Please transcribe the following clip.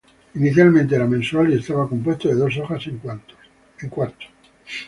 Inicialmente era mensual y estaba compuesta de dos hojas en cuarto.